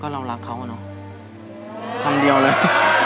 เรารักเค้าเนอะ